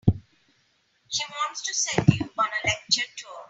She wants to send you on a lecture tour.